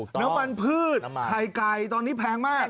น้ำมันพืชไข่ไก่ตอนนี้แพงมาก